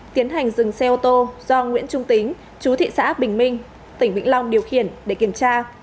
tiến hành dừng xe ô tô do nguyễn trung tính chú thị xã bình minh tỉnh vĩnh long điều khiển để kiểm tra